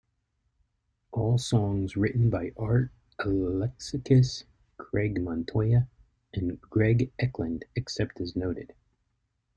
All songs written by Art Alexakis, Craig Montoya, and Greg Eklund, except as noted.